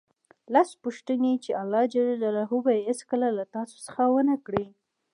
لس پوښتنې چې الله ج به یې هېڅکله له تاسو څخه ونه کړي